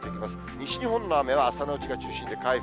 西日本の雨は朝のうちは中心で回復。